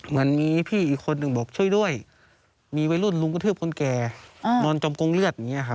เหมือนมีพี่อีกคนหนึ่งบอกช่วยด้วยมีวัยรุ่นลุงกระทืบคนแก่นอนจมกองเลือดอย่างนี้ครับ